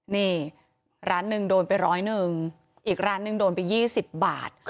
นี่ร้านนึงโดนไป๑๐๑อีกร้านนึงโดนไป๒๐บาท